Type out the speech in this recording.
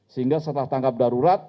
sehingga setelah tangkap darurat